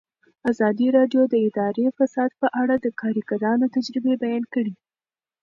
ازادي راډیو د اداري فساد په اړه د کارګرانو تجربې بیان کړي.